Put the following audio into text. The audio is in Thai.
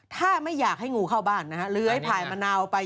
ถ้าไม่อยากให้งูเข้าบ้านนะฮะเลื้อยผ่านมะนาวไป